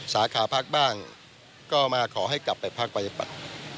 สาขาภักษ์บ้างก็มาขอให้กลับไปภาคประยะปัน